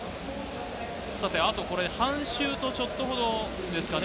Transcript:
あと半周とちょっとほどですかね。